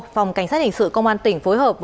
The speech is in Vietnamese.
phòng cảnh sát hình sự công an tỉnh phối hợp